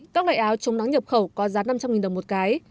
các loại áo chống nắng nhập khẩu có giá năm trăm linh đồng một cái